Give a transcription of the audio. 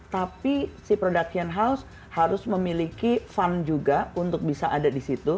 tapi si production house harus memiliki fund juga untuk bisa ada di situ